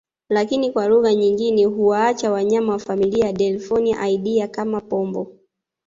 Lakini kwa lugha nyingine huwaacha wanyama wa familia ya Delphinoidea kama Pomboo